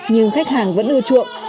nhưng khách hàng vẫn ưu chuộng